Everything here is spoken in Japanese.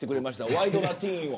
ワイドナティーンを。